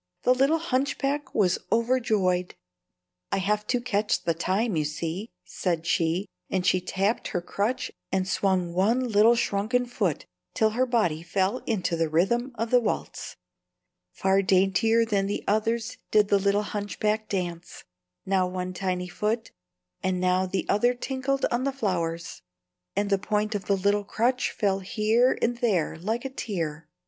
The little hunchback was overjoyed. "I have to catch the time, you see," said she, and she tapped her crutch and swung one little shrunken foot till her body fell into the rhythm of the waltz. Far daintier than the others did the little hunchback dance; now one tiny foot and now the other tinkled on the flowers, and the point of the little crutch fell here and there like a tear.